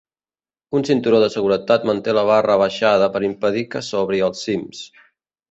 Un cinturó de seguretat manté la barra abaixada per impedir que s'obri als cims.